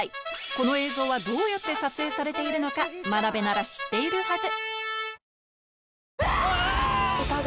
この映像はどうやって撮影されているのか真鍋なら知っているはず